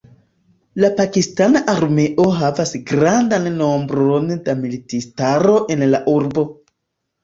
La pakistana armeo havas grandan nombron da militistaro en la urbo.